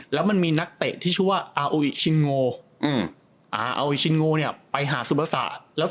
แล้วมันมีนักเตะที่ชื่อว่าอาโออิชินโงอาวิชินโงเนี่ยไปหาซูเปอร์สะ